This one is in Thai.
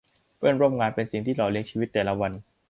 เพื่อนร่วมงานเป็นสิ่งที่หล่อเลี้ยงชีวิตแต่ละวัน